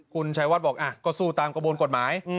คุณชัยวัดบอกก็สู้ตามกระบวนกฎหมาย